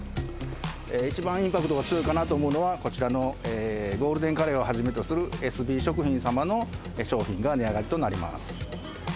一番インパクトが強いかなと思うのは、こちらのゴールデンカレーをはじめとする、エスビー食品様の商品が値上がりとなります。